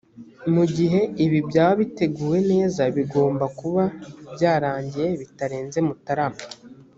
mu gihe ibi byaba biteguwe neza bigomba kuba byarangiye bitarenze mutarama